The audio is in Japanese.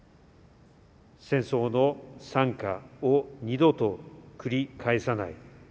戦争の惨禍を二度と繰り返さない。